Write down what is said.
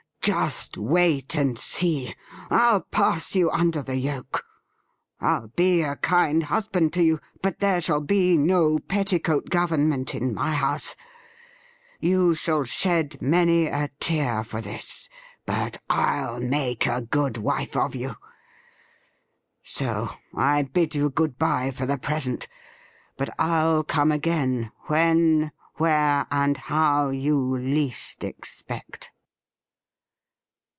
' Just wait and see. I'll pass you under the yoke. I'll be a kind husband to you ; but there shall be no petticoat government in my house ! You shall shed many a tear for this; but I'll make a good wife of you. So I bid you good bye for the present ; but I'll come again when, where, and how you least expect.'